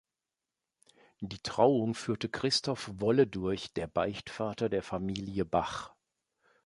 Die Trauung führte Christoph Wolle durch, der Beichtvater der Familie Bach.